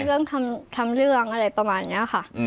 เรื่องทำเรื่องอะไรประมาณนี้ค่ะ